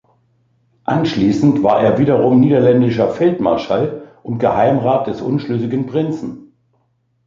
Anschließend war er wiederum niederländischer Feldmarschall und Geheimrat des unschlüssigen Prinzen.